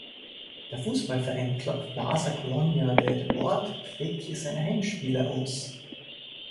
Der Fußballverein Club Plaza Colonia de Deportes trägt hier seine Heimspiele aus.